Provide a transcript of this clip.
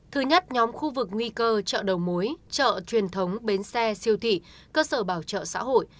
thứ nhất nhóm khu vực nguy cơ chợ đầu mối chợ truyền thống bến xe siêu thị cơ sở bảo trợ xã hội